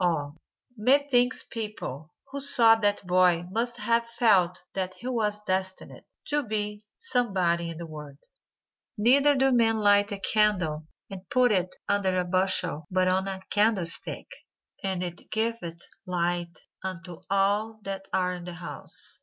Ah! methinks people who saw that boy must have felt that he was destined to be somebody in the world. "Neither do men light a candle and put it under a bushel but on a candlestick; and it giveth light unto all that are in the house."